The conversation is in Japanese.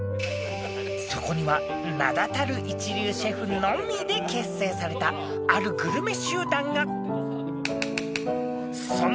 ［そこには名だたる一流シェフのみで結成されたあるグルメ集団が］